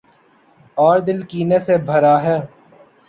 اوردل کینے سے بھراہے۔